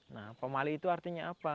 nah pemali itu artinya apa